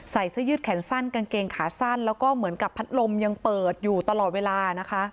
ใส่เสื้อยืดแขนสั้นกางเกงขาสั้นแล้วก็เหมือนกับพัดลมยังเปิดอยู่ตลอดเวลานะคะ